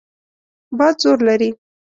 باد زور لري.